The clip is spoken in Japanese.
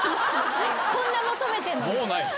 こんな求めてんのに。